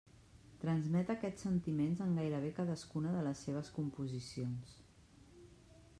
Transmet aquests sentiments en gairebé cadascuna de les seves composicions.